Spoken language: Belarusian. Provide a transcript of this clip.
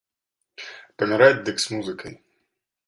Паміраць дык з музыкай!